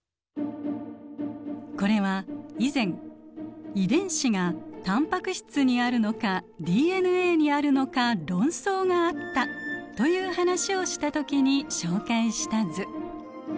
これは以前遺伝子がタンパク質にあるのかＤＮＡにあるのか論争があったという話をした時に紹介した図。